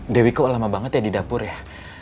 dewi kok lama banget ya di dapur ya